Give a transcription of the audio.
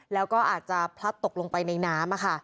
แล้วก็อาจจะพลัดตกลงไปในน้ำ